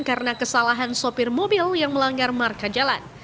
karena kesalahan sopir mobil yang melanggar marka jalan